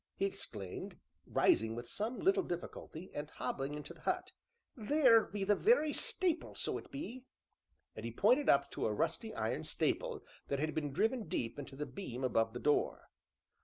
he exclaimed, rising with some little difficulty, and hobbling into the hut, "theer be th' very stapil, so it be!" and he pointed up to a rusty iron staple that had been driven deep into the beam above the door.